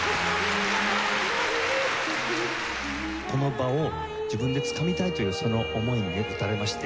この場を自分でつかみたいというその思いにね打たれまして。